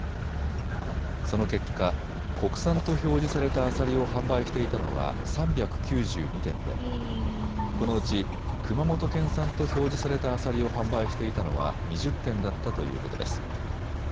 その結果、国産と表示されたアサリを販売していたのは３９２店でこのうち熊本県産と表示されたアサリを販売していたのは２０店だったということです。